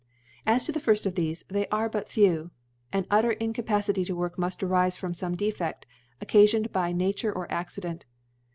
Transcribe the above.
As to the Firft of thcfe, they are but few. An utter Incapacity to work muftarifefrom fome Defcdl, occafioned either by Nature or Accident.